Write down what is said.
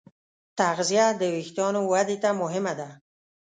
تغذیه د وېښتیانو ودې ته مهمه ده.